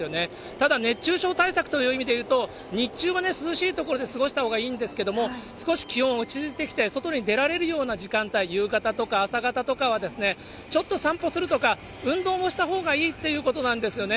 ただ熱中症対策という意味でいうと、日中は涼しい所で過ごしたほうがいいんですけれども、少し気温落ち着いてきて、外に出られるような時間帯、夕方とか朝方とかは、ちょっと散歩するとか、運動もしたほうがいいっていうことなんですよね。